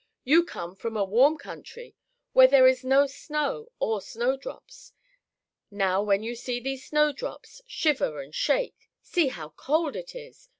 "You come from a warm country, where there is no snow or snowdrops. Now when you see these snow drops, shiver and shake see how cold it is!